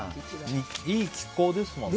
いい気候ですもんね。